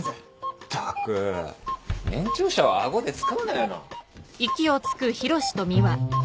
ったく年長者を顎で使うなよな。